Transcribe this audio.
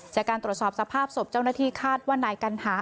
จากการตรวจสอบสภาพศพเจ้าหน้าที่คาดว่านายกัณหา